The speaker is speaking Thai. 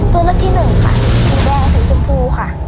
ตัวเลือกที่หนึ่งค่ะสีแดงสีชมพูค่ะ